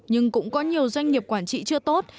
nhưng cũng có nhiều doanh nghiệp quản trị chưa tốt